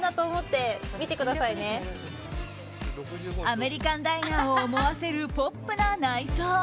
アメリカンダイナーを思わせるポップな内装。